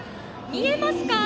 見えますか？